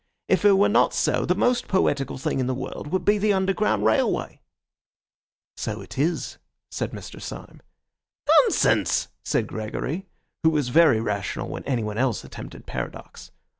If it were not so, the most poetical thing in the world would be the Underground Railway." "So it is," said Mr. Syme. "Nonsense!" said Gregory, who was very rational when anyone else attempted paradox.